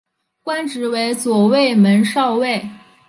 官职为左卫门少尉。